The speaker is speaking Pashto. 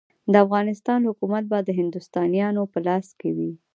د افغانستان حکومت به د هندوستانیانو په لاس کې وي.